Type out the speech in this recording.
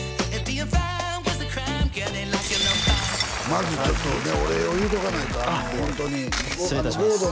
まずちょっとねお礼を言うとかないとホントに失礼いたします